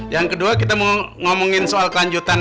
yang kedua kita mau ngomongin soal kelanjutan